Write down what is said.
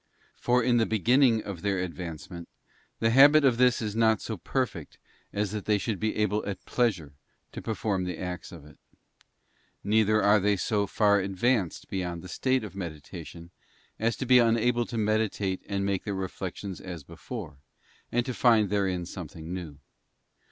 For in the beginning of their advancement the habit of this is not so perfect as that they should be able at pleasure to perform the acts of it. Neither'are they so far advanced beyond the state of meditation as to be unable to meditate and make their reflections as before, and to find therein something new.